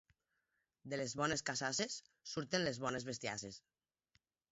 De les bones casasses surten les bones bestiasses.